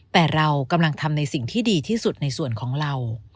แต่เรากำลังทำในสิ่งที่ดีที่สุดในส่วนของเรา